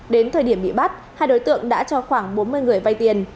đến thời điểm bị bắt hai đối tượng đã cho khoảng bốn mươi người vay tiền